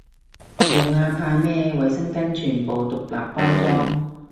用啊，怕咩，衛生巾全部獨立包裝